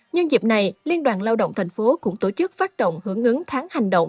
nhân dịp này liên đoàn lao động tp hcm cũng tổ chức phát động hướng ứng tháng hành động